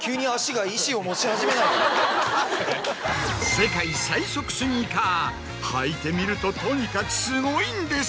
世界最速スニーカー履いてみるととにかくすごいんです！